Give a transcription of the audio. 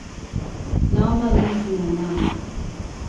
Naomba ndizi na nyama